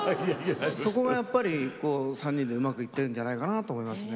そこがやっぱり３人でうまくいってるんじゃないかなと思いますね。